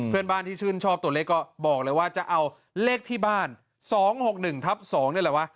เพื่อนบ้านที่ชื่นชอบตัวเลขก็บอกเลยว่าจะเอาเลขที่บ้าน๒๖๑ทับ๒นี่แหละวะ